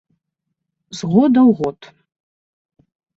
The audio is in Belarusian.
З года ў год.